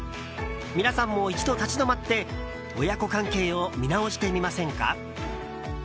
皆さんも一度、立ち止まって親子関係を見直してみませんか？